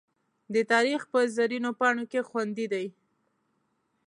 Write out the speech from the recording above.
د تاریخ په زرینو پاڼو کې خوندي دي.